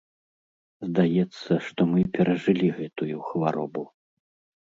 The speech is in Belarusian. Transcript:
Здаецца, што мы перажылі гэтую хваробу.